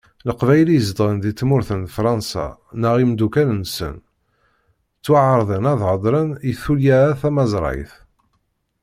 Leqbayel i izedɣen di tmurt n Fransa, neɣ imeddukkal-nsen, ttwaɛerḍen ad ḥeḍren i tullya-a tamazrayt.